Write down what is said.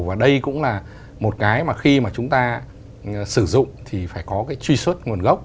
và đây cũng là một cái mà khi mà chúng ta sử dụng thì phải có cái truy xuất nguồn gốc